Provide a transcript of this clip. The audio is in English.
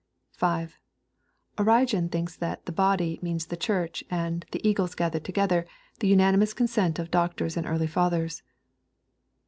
5. Origen thinks that " the body" means the Church, and " the eagles gathered together," the unanimous consent of doctors and early fathers.